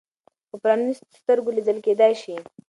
په پرانیستو سترګو لیدل کېدای شي.